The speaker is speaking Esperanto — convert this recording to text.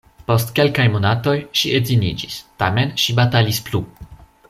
Post kelkaj monatoj ŝi edziniĝis, tamen ŝi batalis plu.